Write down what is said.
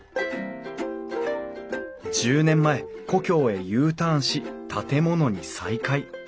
１０年前故郷へＵターンし建物に再会。